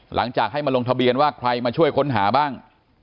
หลังจากให้มาลงทะเบียนว่าใครมาช่วยค้นหาบ้าง